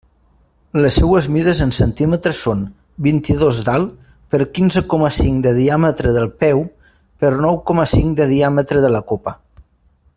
Les seues mides en centímetres són: vint-i-dos d'alt per quinze coma cinc de diàmetre del peu per nou coma cinc de diàmetre de la copa.